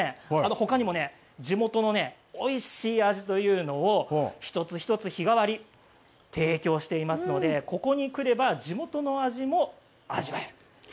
ほかにもね地元のおいしい味というのを１つ１つ日替わりで提供していますのでここに来れば地元の味も味わえる。